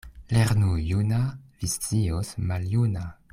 Lernu juna — vi scios maljuna.